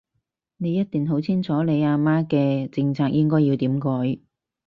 你一定好清楚你阿媽嘅政策應該要點改